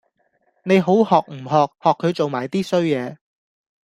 你好學唔學！學佢做埋 D 衰野